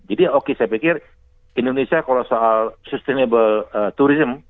jadi oke saya pikir indonesia kalau soal sustainable tourism